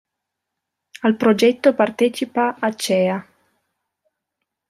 Al progetto partecipa Acea.